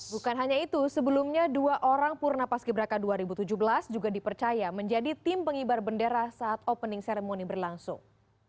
bukan hanya itu sebelumnya dua orang purna paski braka dua ribu tujuh belas juga dipercaya menjadi tim pengibar bendera saat opening ceremony berlangsung